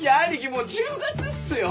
もう１０月っすよ！